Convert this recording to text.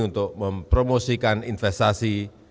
untuk mempromosikan investasi